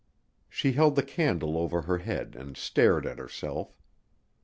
She held the candle over her head and stared at herself.